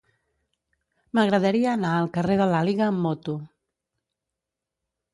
M'agradaria anar al carrer de l'Àliga amb moto.